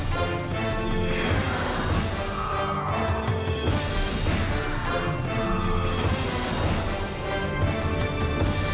โปรดติดตามตอนต่อไป